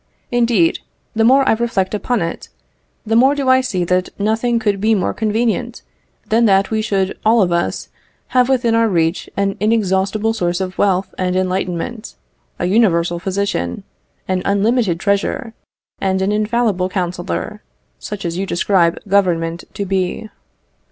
Indeed, the more I reflect upon it, the more do I see that nothing could be more convenient than that we should all of us have within our reach an inexhaustible source of wealth and enlightenment a universal physician, an unlimited treasure, and an infallible counsellor, such as you describe Government to be.